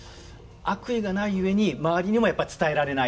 悪意がないゆえに周りにもやっぱ伝えられない。